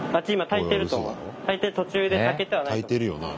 炊いてるよな？